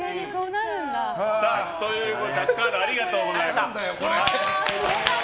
ということでタッカーノありがとうございました。